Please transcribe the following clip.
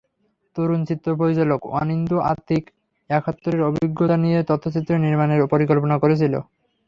তরুণ চিত্রপরিচালক অনিন্দ্য আতিক একাত্তরের অভিজ্ঞতা নিয়ে তথ্যচিত্র নির্মাণের পরিকল্পনা করেছিল।